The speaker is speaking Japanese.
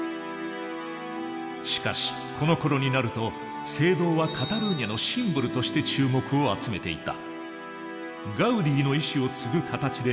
しかしこのころになると聖堂はカタルーニャのシンボルとして注目を集めていた。